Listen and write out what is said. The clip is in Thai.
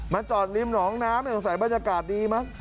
จอดริมหนองน้ำสงสัยบรรยากาศดีมั้ง